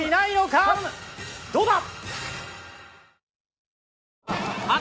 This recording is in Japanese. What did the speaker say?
どうだ？